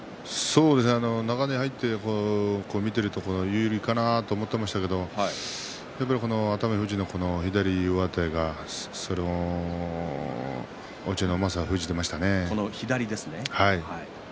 中に入って見ていると有利かなと思っていましたけれどやっぱり熱海富士の左上手が落合のうまさを封じていましたね。